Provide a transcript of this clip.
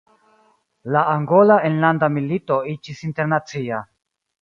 La Angola Enlanda Milito iĝis internacia.